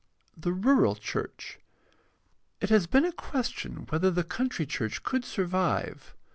The rural church. — It has been a question whether the country church could survive.